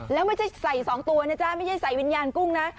แล้วไม่ใช่ใส่๒ตัวนะจ๊ะไม่ใช่ใส่วิญญาณกุ้งนะ